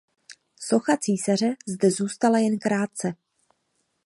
Socha císaře zde zůstala jen krátce.